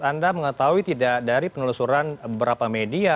anda mengetahui tidak dari penelusuran beberapa media